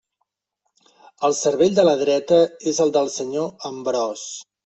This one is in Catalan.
El cervell de la dreta és el del senyor Ambròs?